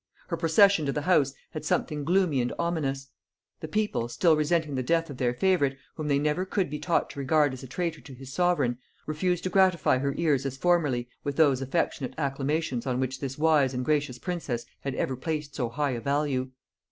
Her procession to the house had something gloomy and ominous; the people, still resenting the death of their favorite, whom they never could be taught to regard as a traitor to his sovereign, refused to gratify her ears as formerly with those affectionate acclamations on which this wise and gracious princess had ever placed so high a value.